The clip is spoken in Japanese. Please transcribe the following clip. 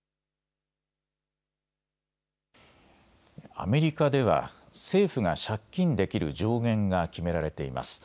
アメリカでは政府が借金できる上限が決められています。